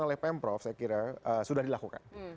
oleh pemprov saya kira sudah dilakukan